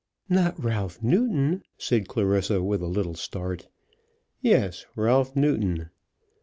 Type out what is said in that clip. "Not Ralph Newton?" said Clarissa, with a little start. "Yes, Ralph Newton."